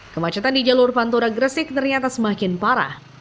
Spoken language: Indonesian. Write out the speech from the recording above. kemacetan di jalur pantura gresik ternyata semakin parah